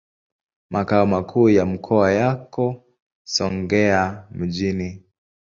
Makao makuu ya mkoa yako Songea mjini.